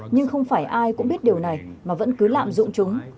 nhưng không phải ai cũng biết điều này mà vẫn cứ lạm dụng chúng